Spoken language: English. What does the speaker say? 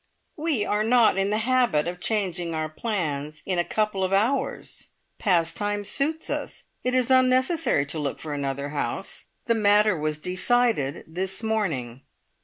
"We are not in the habit of changing our plans in a couple of hours. Pastimes suits us. It is unnecessary to look for another house. The matter was decided this morning."